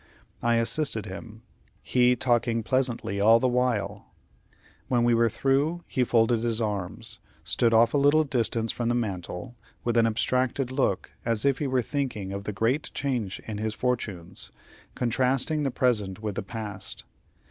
I assisted him, he talking pleasantly all the while. When we were through, he folded his arms, stood off a little distance from the mantel, with an abstracted look as if he were thinking of the great change in his fortunes contrasting the present with the past.